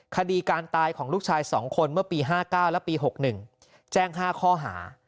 คดีการตายของลูกชาย๒คนเมื่อปี๕๙และปี๖๑แจ้ง๕ข้อหา